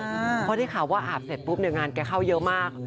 เพราะได้ข่าวว่าอาบเสร็จปุ๊บเนี่ยงานแกเข้าเยอะมาก